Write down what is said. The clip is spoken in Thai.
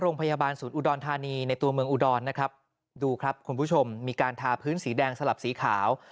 โรงพยาบาลศูนย์อุดรธานีในตัวเมืองอุดรนะครับดูครับคุณผู้ชมมีการทาพื้นสีแดงสลับสีขาว